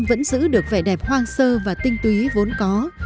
vẫn giữ được vẻ đẹp hoang sơ và tinh túy vốn có